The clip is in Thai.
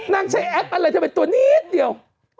นั่งใช้แอปอะไรจะเป็นตัวนี้เดี๋ยว